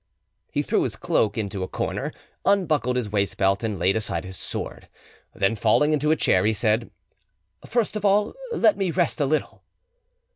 He threw his cloak into a corner, unbuckled his waistbelt, and laid aside his sword. Then falling into a chair, he said— "First of all, let me rest a little."